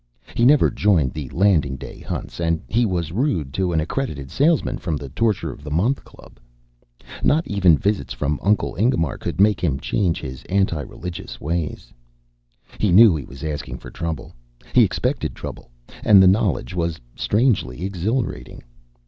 He never joined the Landing Day Hunts, and he was rude to an accredited salesman from the Torture of the Month Club. Not even visits from Uncle Ingemar could make him change his antireligious ways. He knew he was asking for trouble. He expected trouble, and the knowledge was strangely exhilarating.